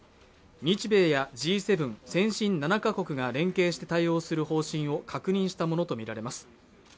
日米やＧ７＝先進７か国が連携して対応する方針を確認したものと見られます